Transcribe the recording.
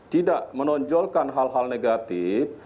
tidak menonjolkan hal hal negatif